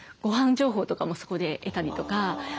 情報とかもそこで得たりとか。